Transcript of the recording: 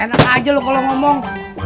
enak aja loh kalau ngomong